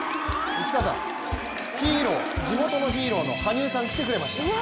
ヒーロー、地元のヒーローの羽生さん来てくれました。